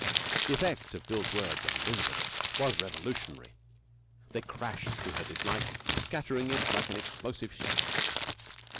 The effect of Bill's words on Elizabeth was revolutionary. They crashed through her dislike, scattering it like an explosive shell.